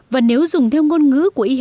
và nếu dùng theo ngôn ngữ